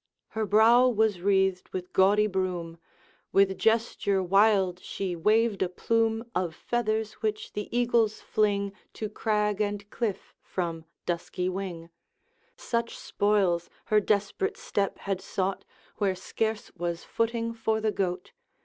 Her brow was wreathed with gaudy broom; With gesture wild she waved a plume Of feathers, which the eagles fling To crag and cliff from dusky wing; Such spoils her desperate step had sought, Where scarce was footing for the goat.